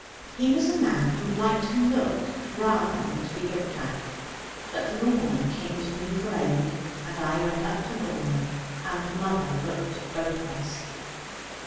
He was a man who liked to look, rather than to be looked at. But Lorna came to me for aid; and I went up to Lorna and mother looked at both of us.